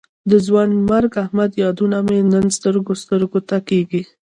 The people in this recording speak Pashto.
د ځوانمرګ احمد یادونه مې نن سترګو سترګو ته کېږي.